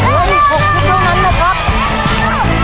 แล้วอีก๖ชุดโดนั้นนะครับ